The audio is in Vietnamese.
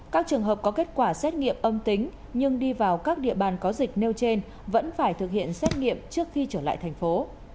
các trường hợp có kết quả xét nghiệm âm tính nhưng đi vào các địa bàn có dịch nêu trên vẫn phải thực hiện xét nghiệm trước khi trở lại thành phố